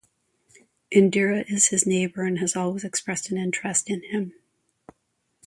Indira is his neighbour, and has always expressed an interest in him.